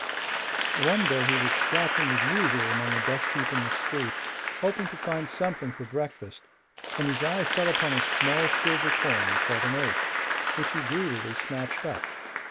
One day he was scratching as usual among a dust heap in the street, hoping to find something for breakfast, when his eye fell upon a small silver coin, called an eighth, which he greedily snatched up.